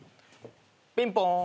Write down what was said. ピンポン。